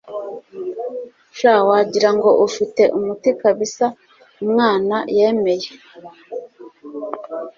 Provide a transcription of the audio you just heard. sha wagirango ufite umuti kbs umwana yemeye